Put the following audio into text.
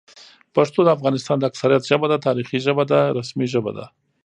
پښتو د افغانستان د اکثریت ژبه ده، تاریخي ژبه ده، رسمي ژبه ده